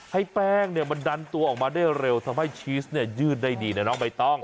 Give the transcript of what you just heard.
ให้แป้งเนี่ยมันดันตัวออกมาได้เร็วทำให้ชีสเนี่ยยืดได้ดีนะน้องใบตอง